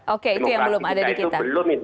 oke itu yang belum ada di kita